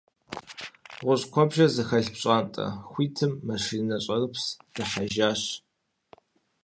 ГъущӀ куэбжэ зыхэлъ пщӀантӀэ хуитым машинэ щӀэрыпс дыхьэжащ.